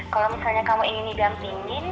kalau misalnya kamu ingin didampingin